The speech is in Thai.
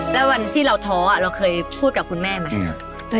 แล้ววันที่เราท้อเราเคยพูดกับคุณแม่ไหม